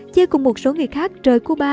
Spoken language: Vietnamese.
che cùng một số người khác rời cuba